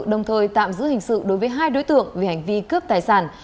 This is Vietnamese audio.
đồng thời tạm giữ hình sự đối với hai đối tượng vì hành vi cướp tài sản